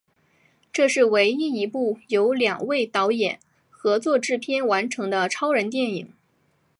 这是唯一一部由两位导演合作制片完成的超人电影。